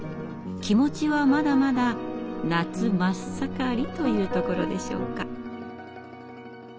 気持ちはまだまだ夏真っ盛りというところでしょうか。